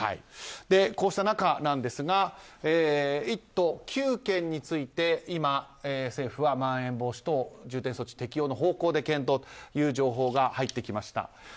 こうした中なんですが１都９県について今、政府はまん延防止等重点措置の適用を検討という情報が入ってきました。